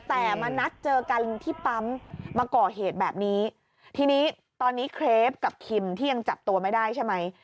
แต่มานัดเจอกันที่ปั๊มมาก่อเหตุแบบนี้ทีนี้ตอนนี้เครปกับคิมที่ยังจับตัวไม่ได้ใช่ไหม